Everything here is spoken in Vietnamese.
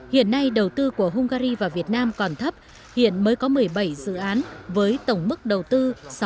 hiện nay đầu tư của hungary và việt nam còn thấp hiện mới có một mươi bảy dự án với tổng mức đầu tư sáu mươi